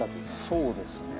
そうですね。